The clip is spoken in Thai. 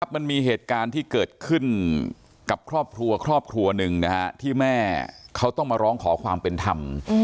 มันมีเหตุการณ์ที่เกิดขึ้นกับครอบครัวครอบครัวหนึ่งที่แม่เขาต้องมาร้องขอความเป็นธรรม